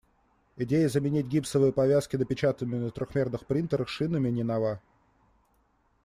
Идея заменить гипсовые повязки напечатанными на трёхмерных принтерах шинами не нова.